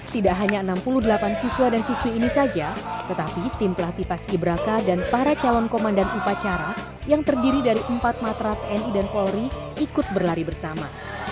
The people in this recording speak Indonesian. tidak hanya enam puluh delapan siswa dan siswi ini saja tetapi tim pelatih paski beraka dan para calon komandan upacara yang terdiri dari empat matra tni dan polri ikut berlari bersama